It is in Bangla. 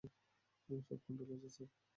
সব কন্ট্রোলে আছে স্যার।